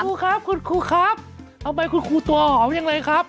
คุณครูครับคุณครูครับเอาไปคุณครูตัวออกอย่างไรครับ